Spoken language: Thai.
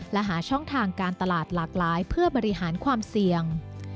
และหาช่องทางการตลาดหลากหลายเพื่อบริหารความเสี่ยง